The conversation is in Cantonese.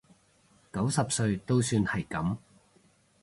九十歲都算係噉